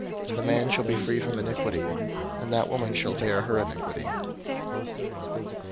005:031 The man shall be free from iniquity, and that woman shall bear her iniquity."